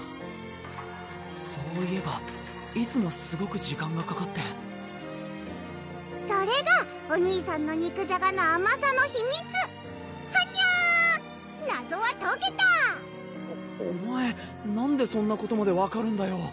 そういえばいつもすごく時間がかかってそれがお兄さんの肉じゃがのあまさの秘密！はにゃ謎はとけたおお前なんでそんなことまで分かるんだよ